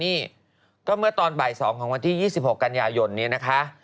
นี่ก็เมื่อตอนบ่าย๒ของวันที่๒๖กันยายนนี้นะคะ